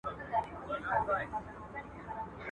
شپه په امېد سبا کېږي.